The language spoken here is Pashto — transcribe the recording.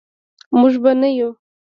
موږ به نه یو.